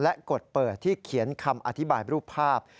และกดเปิดที่เขียนคำอธิบายรูปภาพ